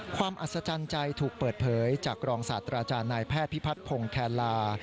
อัศจรรย์ใจถูกเปิดเผยจากรองศาสตราจารย์นายแพทย์พิพัฒนพงศ์แคนลา